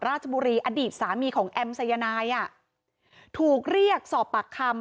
ราชบุรีอดีตสามีของแอมสายนายอ่ะถูกเรียกสอบปากคำ